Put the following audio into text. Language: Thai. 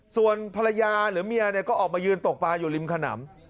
ส่วนภรรยาหรือเมียก็ออกมายืนตกปลาอยู่ริมขนำ